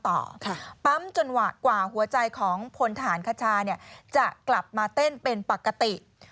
ปั๊มจนกว่าหัวใจของพลทหารคชาจะกลับมาเต้นเป็นปกติ